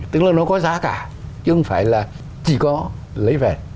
tức là nó có giá cả chứ không phải là chỉ có lấy về